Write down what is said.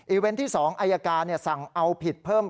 อีเว้นต์ที่๒ไอร์การสั่งเอาผิดเปิ้ล